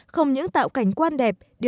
không những tạo cảnh quan đẹp